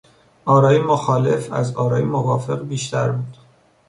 آرای مخالف از آرای موافق بیشتر بود.